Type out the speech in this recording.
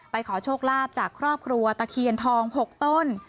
ขอโชคลาภจากครอบครัวตะเคียนทอง๖ต้น